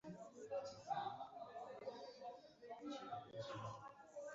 Yehoshafati atanyuzwe ashaka kumenya neza ubushake bwImana